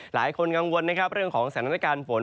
หลายคนกังวลนะครับเรื่องของสถานการณ์ฝน